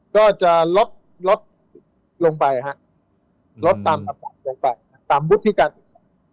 ก็จะลดลงไปฮะลดต่ำลงไปต่ำวุฒิการสุข